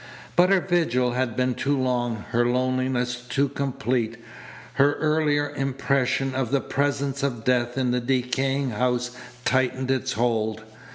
But her vigil had been too long, her loneliness too complete. Her earlier impression of the presence of death in the decaying house tightened its hold.